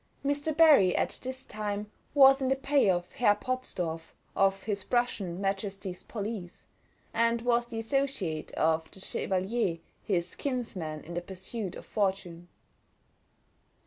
Mr. Barry, at this time, was in the pay of Herr Potzdorff, of his Prussian Majesty's Police, and was the associate of the Chevalier, his kinsman, in the pursuit of fortune.